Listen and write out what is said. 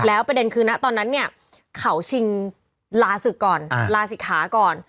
แล้วประเด็นคือนะตอนนั้นเนี่ยเขาชิงลาศึกก่อนลาศิกขาก่อน